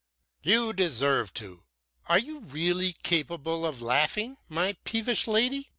"You deserve to. Are you really capable of laughing, my peevish lady?